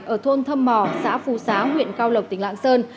ở thôn thâm mò xã phú xá huyện cao lộc tỉnh lạng sơn